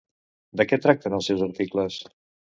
De què tracten els seus articles?